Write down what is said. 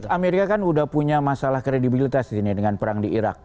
amerika kan udah punya masalah kredibilitas dengan perang di irak